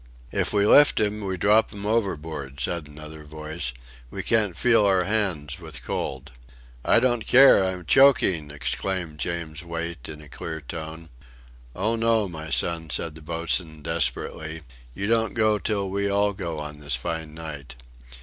"If we lift 'im, we drop 'im overboard," said another voice, "we can't feel our hands with cold." "I don't care. I am choking!" exclaimed James Wait in a clear tone. "Oh, no, my son," said the boatswain, desperately, "you don't go till we all go on this fine night."